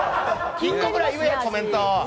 １個ぐらい言え、コメント。